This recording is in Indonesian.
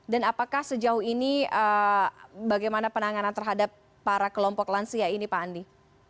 dan apakah sejauh ini bagaimana penanganan terhadap para kelompok lansia ini pak andi